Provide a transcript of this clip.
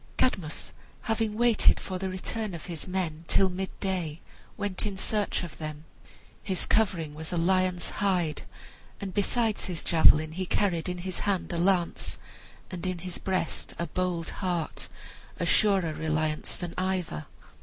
Cadmus, having waited for the return of his men till midday, went in search of them. His covering was a lion's hide, and besides his javelin he carried in his hand a lance, and in his breast a bold heart, a surer reliance than either.